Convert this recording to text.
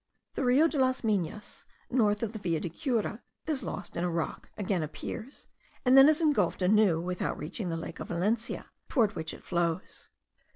The Rio de Las Minas, north of the Villa de Cura, is lost in a rock, again appears, and then is ingulphed anew without reaching the lake of Valencia, towards which it flows.